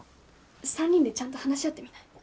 ３人でちゃんと話し合ってみない？